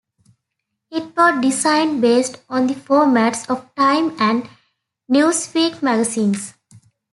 It was designed based on the formats of "Time" and "Newsweek" magazines.